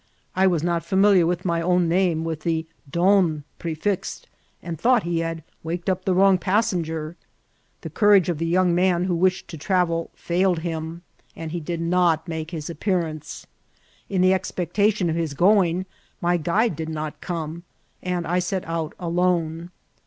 I was not familiar with my own name with the don prefixed, and thought he had '' waked up the wrong passenger." The courage of the young man who wished to travel failed him, and he did not make his appearance ; in the expectation of his going my guide did not come, and I set out alone.